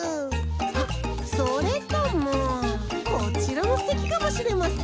あっそれともこちらもすてきかもしれません。